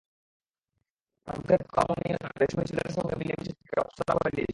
তার মুখের কমনীয়তা রেশমি চুলের সঙ্গে মিলেমিশে তাকে অপ্সরা করে দিয়েছিল।